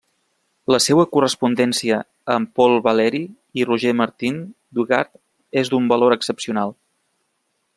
La seua correspondència amb Paul Valéry i Roger Martin du Gard és d'un valor excepcional.